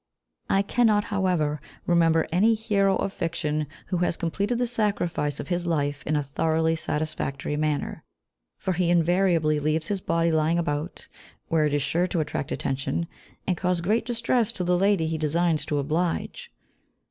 I cannot, however, remember any hero of fiction who has completed the sacrifice of his life in a thoroughly satisfactory manner, for he invariably leaves his body lying about, where it is sure to attract attention, and cause great distress to the lady he designs to oblige.